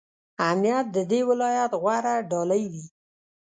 امنیت د دې ولایت غوره ډالۍ وي.